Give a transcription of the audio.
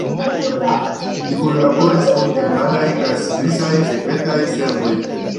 Li kunlaboris kun germanaj kaj svisaj sekretaj servoj.